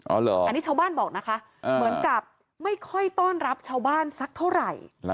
อันนี้ชาวบ้านบอกนะคะเหมือนกับไม่ค่อยต้อนรับชาวบ้านสักเท่าไหร่